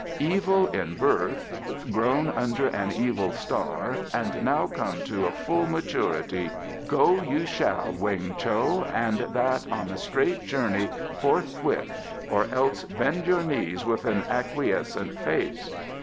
"Evil in birth, grown under an evil star and now come to a full maturity. Go you shall, Weng Cho, and that on a straight journey forthwith or else bend your knees with an acquiescent face."